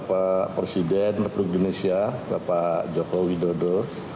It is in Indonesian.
bapak presiden republik indonesia bapak joko widodo